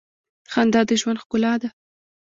• خندا د ژوند ښکلا ده.